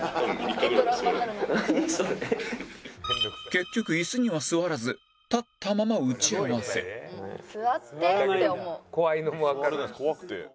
結局椅子には座らず立ったまま打ち合わせ座ってって思う。